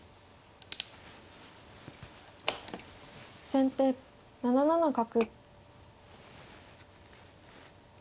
先手７七角。